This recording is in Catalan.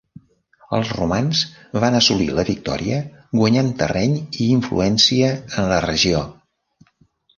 Els romans van assolir la victòria guanyant terreny i influència en la regió.